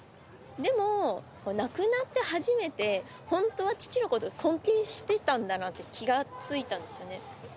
でも、亡くなって初めて、本当は父のことを尊敬していたんだなって気が付いたんですよね。